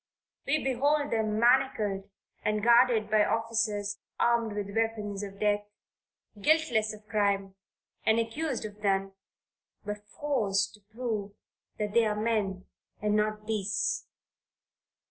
We behold them manacled and guarded by officers armed with weapons of death guiltless of crime and accused of none, but forced to prove that they are men and not beasts.